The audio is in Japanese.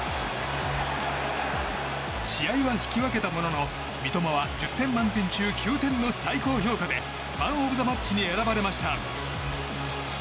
試合は引き分けたものの、三笘は１０点満点中、９点の最高評価でマン・オブ・ザ・マッチに選ばれました。